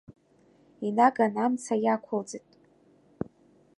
Инаган амца иақәылҵт.